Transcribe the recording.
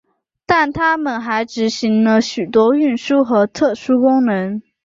但他们还执行了许多运输和特殊功能。